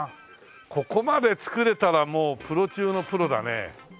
ここまで作れたらもうプロ中のプロだね。